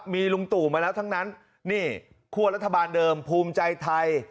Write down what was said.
มีลุงตู่มาแล้วทั้งนั้นนี่คั่วรัฐบาลเดิมภูมิใจไทย